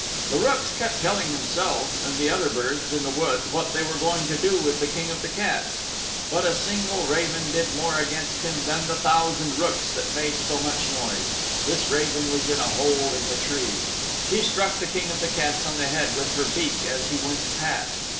The rooks kept telling themselves and the other birds in the wood what they were going to do with the King of the Cats. But a single raven did more against him than the thousand rooks that made so much noise. This raven was in a hole in the tree. She struck the King of the Cats on the head with her beak as he went past.